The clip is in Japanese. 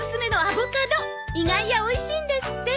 意外や美味しいんですって。